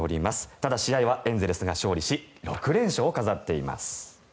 ただ、試合はエンゼルスが勝利し６連勝を飾っています。